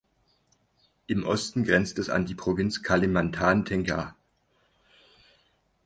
Im Osten grenzt es an die Provinz Kalimantan Tengah.